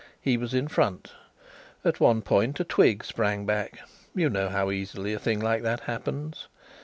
He was in front. At one point a twig sprang back you know how easily a thing like that happens.